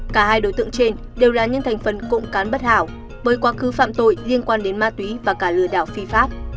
cả hai đối tượng trên đều là những thành phần cộng cán bất hảo với quá cứ phạm tội liên quan đến ma túy và cả lừa đảo phi pháp